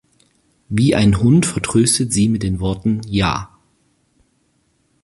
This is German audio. Wie einen Hund vertröstet sie ihn mit den Worten: „Ja!